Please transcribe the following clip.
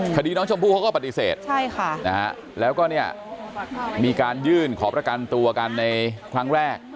คดีน้องชมพู่เขาก็ปฏิเสธแล้วก็เนี่ยมีการยื่นขอประกันตัวกันในครั้งแรก